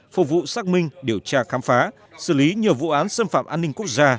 phục vụ xác minh điều tra khám phá xử lý nhiều vụ án xâm phạm an ninh quốc gia